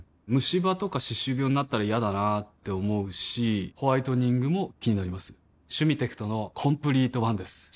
ムシ歯とか歯周病になったら嫌だなって思うしホワイトニングも気になります「シュミテクトのコンプリートワン」です